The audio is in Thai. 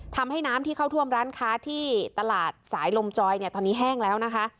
ทำให้น้ำที่เข้าท่วมร้านค้าที่ตลาดสายลมจอยเนี่ยตอนนี้แห้งแล้วนะคะ